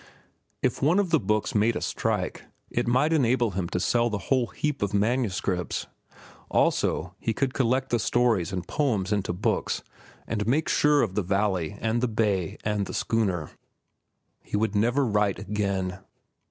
If one of the books made a strike, it might enable him to sell the whole heap of manuscripts. Also he could collect the stories and the poems into books, and make sure of the valley and the bay and the schooner. He would never write again.